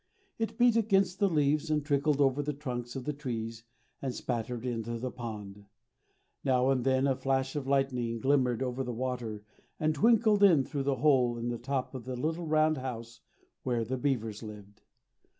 It beat against the leaves and trickled over the trunks of the trees and spattered into the pond. Now and then a flash of lightning glimmered over the water and twinkled in through the hole at the top of the little round house where the beavers lived.